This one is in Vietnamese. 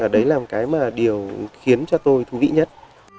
đấy là một cái mà điều khiến cho tôi thú vị nhất